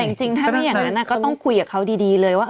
แต่จริงถ้าไม่อย่างนั้นก็ต้องคุยกับเขาดีเลยว่า